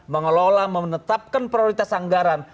mengelola menetapkan prioritas anggaran